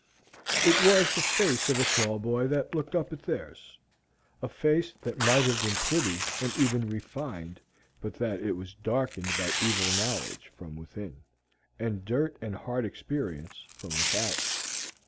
It was the face of a small boy that looked up at theirs, a face that might have been pretty and even refined but that it was darkened by evil knowledge from within, and dirt and hard experience from without.